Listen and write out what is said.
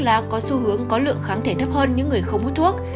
lá có xu hướng có lượng kháng thể thấp hơn những người không hút thuốc